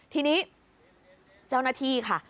ทีนี้เจ้าหน้าที่ค่ะ